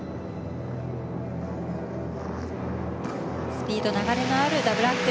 スピード流れのあるダブルアクセル。